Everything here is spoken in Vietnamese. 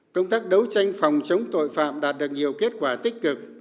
công tác đấu tranh phòng chống tội phạm đạt được nhiều kết quả tích cực